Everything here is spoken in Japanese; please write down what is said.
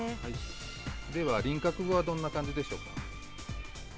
輪郭はどんな感じでしょうか。